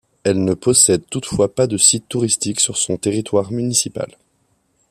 Elle ne possède toutefois pas de sites touristiques sur son territoire municipal.